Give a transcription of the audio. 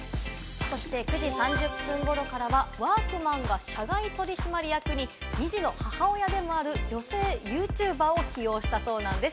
そして９時３０分頃からはワークマンが社外取締役、二児の母親でもある女性ユーチューバーを起用したそうなんです。